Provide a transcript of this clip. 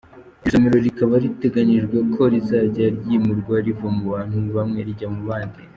Iri somero rikaba riteganyijwe ko rizajya ryimurwa riva mu bantu bamwe rijya mu bandi.